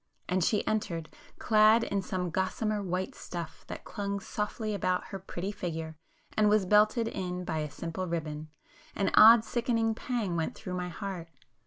An she entered, clad in some gossamer white stuff that clung softly about her pretty figure and was belted in by a simple ribbon, an odd sickening pang went through my heart.